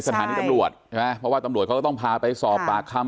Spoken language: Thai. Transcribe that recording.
สถานที่ตำรวจเพราะว่าตำรวจก็ต้องพาไปสอบปากคำ